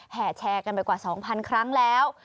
แห่แชร์กันไปกว่า๒๐๐๐ครั้งแล้ว